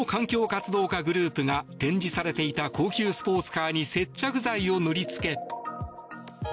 活動家グループが展示されていた高級スポーツカーに接着剤を塗りつけ。